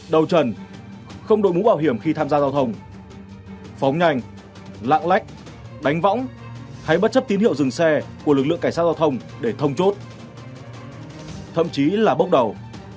đầu trần không đội mũ bảo hiểm khi tham gia giao thông phóng nhanh lạng lách đánh võng hay bất chấp tín hiệu dừng xe của lực lượng cảnh sát giao thông để thông chốt thậm chí là bốc đầu